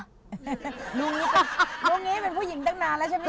นุ้งนี้เป็นผู้หญิงตั้งนานแล้วใช่มั้ยจ๊ะ